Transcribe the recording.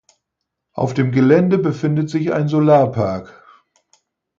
Auf dem Gelände befindet sich ein Solarpark.